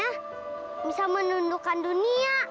yang bisa menundukkan dunia